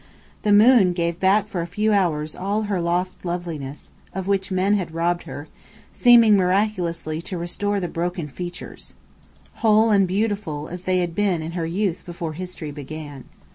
The moon gave back for a few hours all her lost loveliness, of which men had robbed her, seeming miraculously to restore the broken features, whole and beautiful as they had been in her youth before history began.